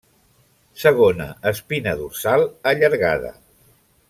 Segona espina dorsal allargada.